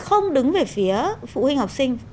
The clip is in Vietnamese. không đứng về phía phụ huynh học sinh